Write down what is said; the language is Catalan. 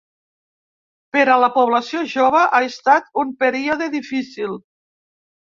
Per a la població jove ha estat un període difícil.